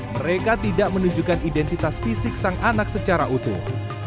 mereka tidak menunjukkan identitas fisik sang anak secara utuh